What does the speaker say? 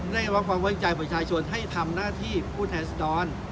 ได้คำว่าความหวังใจมนุษย์ชนชนให้ทำหน้าที่ผู้แทนสดร